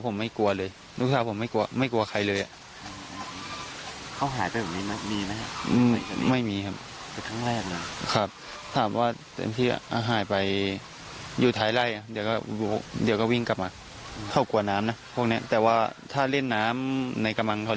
น้ำในกระมังเขาเล่นน่ะ